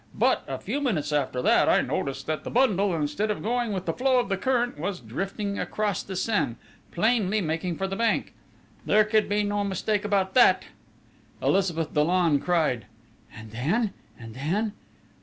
But, a few minutes after that, I noticed that the bundle, instead of going with the flow of the current, was drifting across the Seine, plainly making for the bank. There could be no mistake about that!" Elizabeth Dollon cried: "And then? And then?"